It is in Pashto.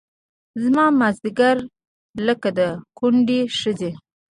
زما مازدیګر لکه د کونډې ښځې